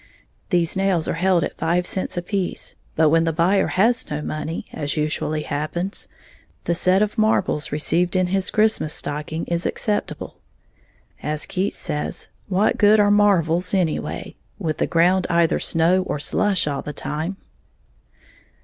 These nails are held at five cents apiece; but when the buyer has no money, as usually happens, the set of marbles received in his Christmas stocking is acceptable. As Keats says, what good are "marvles" anyway, with the ground either snow or slush all the time?